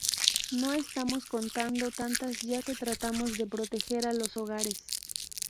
No estamos contando tantas ya que tratamos de proteger a los hogares.